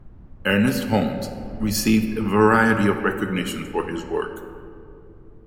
Ernest Holmes received a variety of recognition for his work.